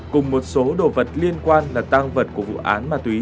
cùng một số đồ vật liên quan là tang vật của vụ án ma túy